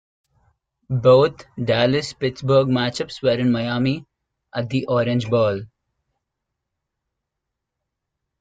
Both Dallas-Pittsburgh matchups were in Miami at the Orange Bowl.